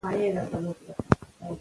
موږ به راپور لیکو.